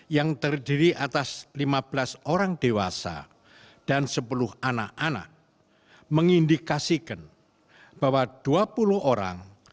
yang terdiri atas lima belas orang dewasa dan sepuluh anak anak mengindikasikan bahwa dua puluh orang